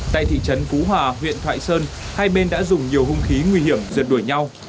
tại thị trấn phú hòa huyện thoại sơn hai bên đã dùng nhiều hung khí nguy hiểm rượt đuổi nhau